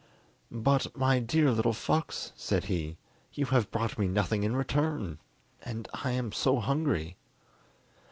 "But, my dear little fox," said he, "you have brought me nothing in return, and I am so hungry!"